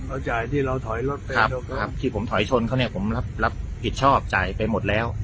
เอาจ่ายที่เราถอยรถไปที่ผมถอยชนเขาเนี่ยผมรับผิดชอบจ่ายไปหมดแล้ว